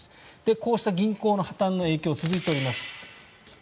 こうした銀行の破たんの影響が続いております。